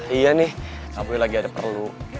iya nih kak boy lagi ada perlu